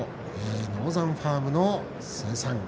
ノーザンファームの生産。